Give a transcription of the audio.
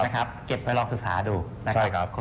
เก็บไปลองศึกษาดูนะครับ